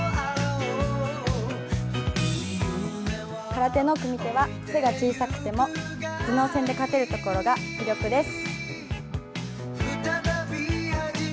空手の組手は背が小さくても頭脳戦で勝てるところが魅力です。